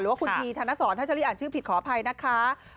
หรือว่าคุณพีธนสรถ้าเจ้าลิอ่านชื่อผิดขออภัยนะคะ